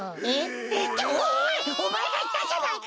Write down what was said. おまえがいったんじゃないか！